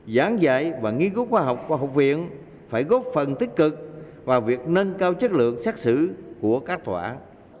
giảng dạy và nghiên cứu khoa học của học viện phải góp phần tích cực vào việc nâng cao chất lượng xét xử của các tòa án